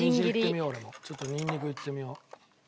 ちょっとニンニクいってみよう。